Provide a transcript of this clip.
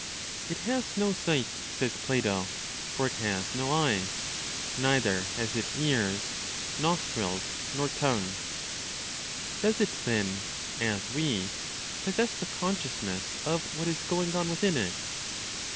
"It has no sight" (says Plato) "for it has no eyes. Neither has it ears, nostrils, nor tongue." Does it, then, as we, possess the consciousness of what is going on within it?